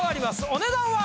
お値段は！